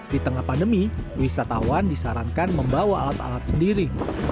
di tengah pandemi wisatawan disarankan membawa alat alat sendiri